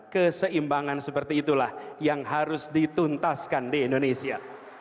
keseimbangan seperti itulah yang harus dituntaskan di indonesia